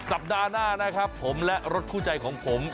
สัปดาห์หน้านะครับผมและรถคู่ใจของผม